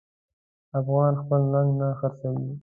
افغان خپل ننګ نه خرڅوي.